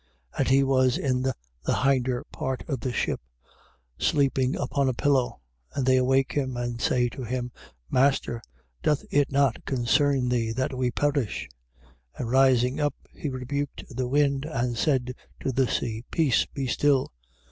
4:38. And he was in the hinder part of the ship, sleeping upon a pillow; and they awake him, and say to him: Master, doth, it not concern thee that we perish? 4:39. And rising up, he rebuked the wind, and said to the sea: Peace, be still.